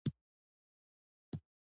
مهمې نظریې موډل او پیژندل کیږي.